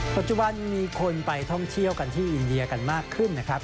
ปัจจุบันมีคนไปท่องเที่ยวกันที่อินเดียกันมากขึ้นนะครับ